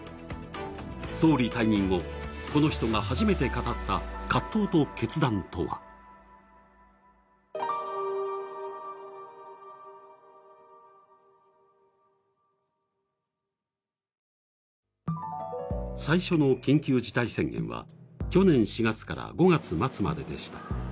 総理退任後、この人が初めて語った葛藤と決断とは最初の緊急事態宣言は去年４月から５月末まででした。